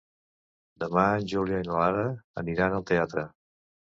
Demà en Julià i na Lara aniran al teatre.